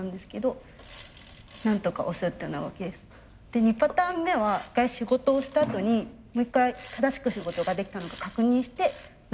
で２パターン目は一回仕事をしたあとにもう一回正しく仕事ができたの確認して中に戻っていく。